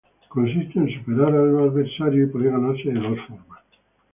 Consiste en superar al adversario y puede ganarse de dos formas.